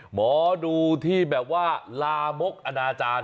หมอดูที่แบบว่าลามกอนาจารย์